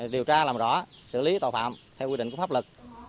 điều tra làm rõ xử lý tàu phạm theo quy định của pháp lực